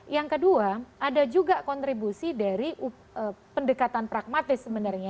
yang kedua ada juga kontribusi dari pendekatan pragmatis sebenarnya